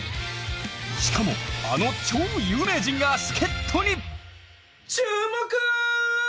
しかもあの超有名人が助っとに！